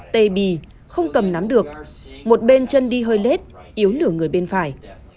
tê bì không cầm nắm được một bên chân đi hơi lết yếu nửa người bên phải